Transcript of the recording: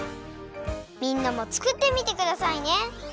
みんなもつくってみてくださいね！